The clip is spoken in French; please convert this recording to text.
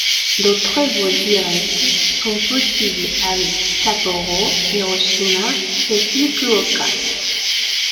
D'autres vols directs sont possibles avec Sapporo, Hiroshima et Fukuoka.